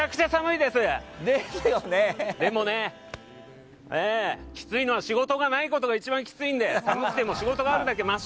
でもね、きついのは仕事がないのが一番きついので寒くても仕事があるだけまし！